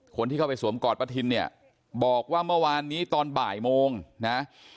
คนที่เข้าไปสวมกอดป้าทินเนี่ยบอกว่าเมื่อวานนี้ตอนบ่ายโมงนะ